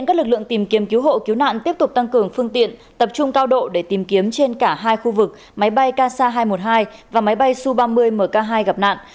các lực lượng tìm kiếm cứu hộ cứu nạn tiếp tục tăng cường phương tiện tập trung cao độ để tìm kiếm trên cả hai khu vực máy bay kc hai trăm một mươi hai và máy bay su ba mươi mk hai gặp nạn